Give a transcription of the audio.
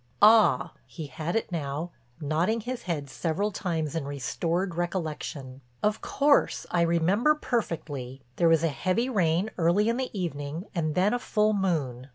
"Ah," he had it now, nodding his head several times in restored recollection. "Of course, I remember perfectly. There was a heavy rain early in the evening and then a full moon."